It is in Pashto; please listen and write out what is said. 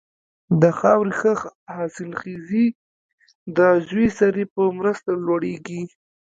د خاورې ښه حاصلخېزي د عضوي سرې په مرسته لوړیږي.